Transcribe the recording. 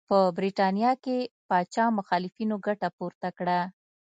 په برېټانیا کې پاچا مخالفینو ګټه پورته کړه.